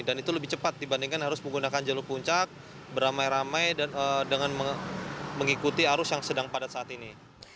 dan itu lebih cepat dibandingkan harus menggunakan jalur puncak beramai ramai dengan mengikuti arus yang sedang padat saat ini